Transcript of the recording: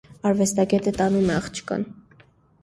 Արվեստագետը տանում է աղջկան։